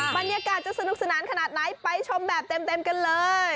บรรยากาศจะสนุกสนานขนาดไหนไปชมแบบเต็มกันเลย